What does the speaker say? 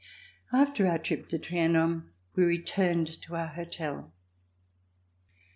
After our trip to Trianon, we returned to our hotel.